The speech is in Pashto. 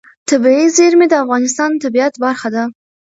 طبیعي زیرمې د افغانستان د طبیعت برخه ده.